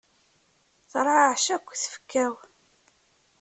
Terɛaɛec akk tfekka-w.